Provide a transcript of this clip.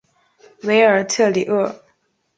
韦尔特里厄。